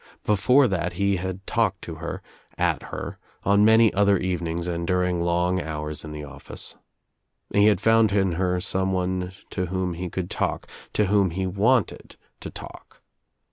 Before that he had talked to her, at her, on many other evenings and during long hours in the office. He had found In her someone to whom he could talk, to whom he wanted to talk.